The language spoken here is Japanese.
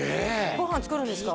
ご飯作るんですか？